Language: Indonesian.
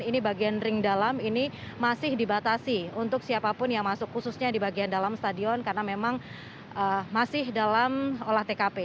ini bagian ring dalam ini masih dibatasi untuk siapapun yang masuk khususnya di bagian dalam stadion karena memang masih dalam olah tkp